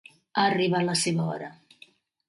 Ha arribat la seva hora.